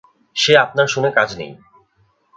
সে আপনার শুনে কাজ নেই।